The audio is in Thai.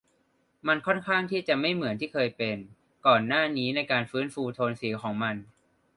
มันค่อนข้างที่จะไม่เหมือนที่เคยเป็นก่อนหน้านี้ในการฟื้นฟูโทนสีของมัน